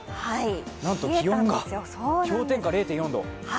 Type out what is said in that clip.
なんと気温が、氷点下０．４度。